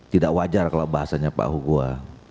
tidak wajar kalau bahasanya pak hugo